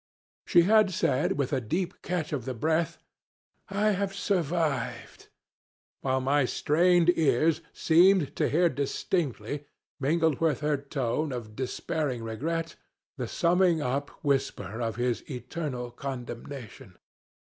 She had said, with a deep catch of the breath, 'I have survived;' while my strained ears seemed to hear distinctly, mingled with her tone of despairing regret, the summing up whisper of his eternal condemnation.